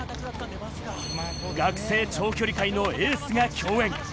学生長距離界のエースが競演。